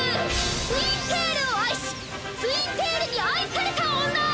ツインテールを愛しツインテールに愛された女！